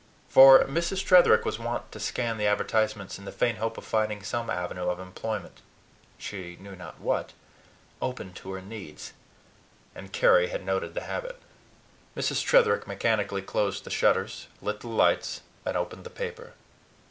For Mrs. Tretherick was wont to scan the advertisements in the faint hope of finding some avenue of employment she knew not what open to her needs; and Carry had noted this habit. Mrs. Tretherick mechanically closed the shutters, lit the lights, and opened the paper.